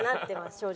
正直。